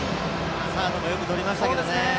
サードもよくとりましたけどね。